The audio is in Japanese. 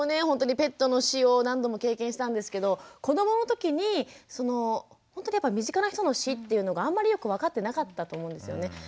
ほんとにペットの死を何度も経験したんですけど子どもの時にそのほんとにやっぱ身近な人の死っていうのがあんまりよく分かってなかったと思うんですよね。